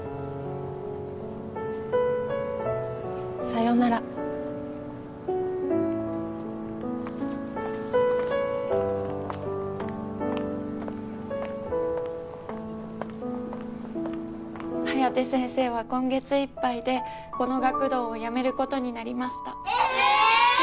さよなら颯先生は今月いっぱいでこの学童を辞めることになりましたえーっ！